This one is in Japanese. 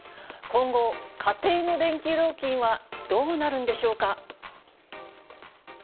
今後、家庭の電気料金はどうなるんでしょうか。